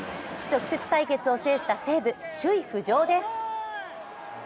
直接対決を制した西武、首位浮上です。